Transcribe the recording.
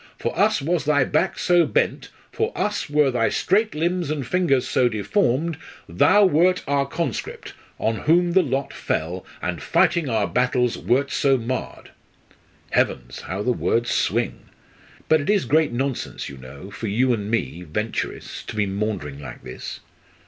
For us was thy back so bent, for us were thy straight limbs and fingers so deformed; thou wert our conscript, on whom the lot fell, and fighting our battles wert so marred_.' Heavens! how the words swing! But it is great nonsense, you know, for you and me Venturists to be maundering like this.